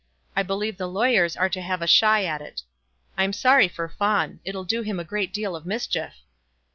I believe the lawyers are to have a shy at it. I'm sorry for Fawn. It'll do him a deal of mischief."